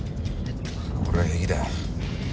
俺は平気だ。